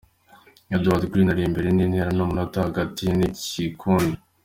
': Edward Greene ari imbere n'intera y'umunota hgati ye n'igikundi.